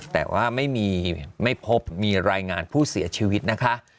แต่ว่าไม่พบมีรายงานผู้เสียชีวิตนะคะ